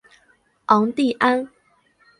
昂蒂安。